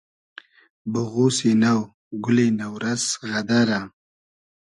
بوغوسی نۆ , گولی نۆ رئس غئدئرۂ